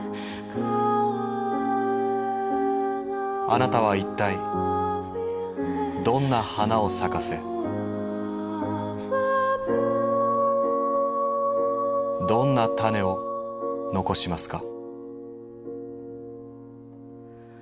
あなたは一体どんな花を咲かせどんな種を残しますか。